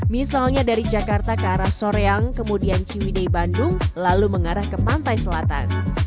misalnya dari jakarta ke arah soreang kemudian ciwidei bandung lalu mengarah ke pantai selatan